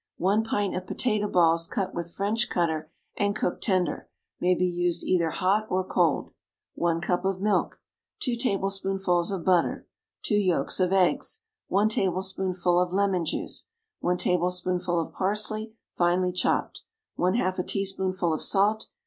1 pint of potato balls, cut with French cutter, and cooked tender, may be used either hot or cold. 1 cup of milk. 2 tablespoonfuls of butter. 2 yolks of eggs. 1 tablespoonful of lemon juice. 1 tablespoonful of parsley, finely chopped. 1/2 a teaspoonful of salt.